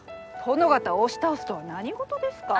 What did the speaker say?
殿方を押し倒すとは何事ですか？